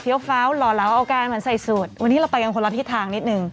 ฟ้าวหล่อเหลาเอาการเหมือนใส่สูตรวันนี้เราไปกันคนละทิศทางนิดนึง